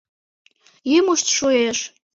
Йӱмышт шуэш.